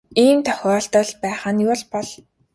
Ийм тохиолдол байх нь юу л бол.